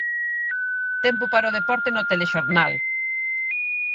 Tempo para o deporte no telexornal.